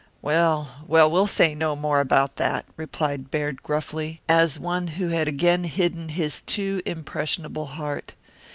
"Well, well, we'll say no more about that," replied Baird gruffly, as one who had again hidden his too impressionable heart.